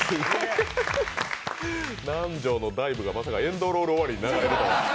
南條のダイブがまさかエンドロール終わりに流れるとは。